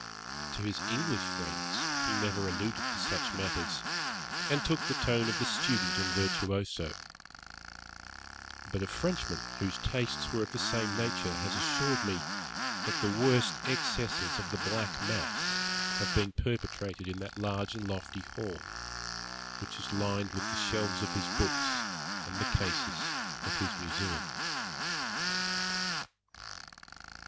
To his English friends he never alluded to such matters, and took the tone of the student and virtuoso; but a Frenchman whose tastes were of the same nature has assured me that the worst excesses of the black mass have been perpetrated in that large and lofty hall, which is lined with the shelves of his books, and the cases of his museum.